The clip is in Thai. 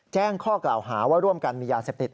แจ้งข้อกล่าวหาว่าร่วมกันมียาเสพติด